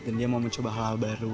dan dia mau mencoba hal hal baru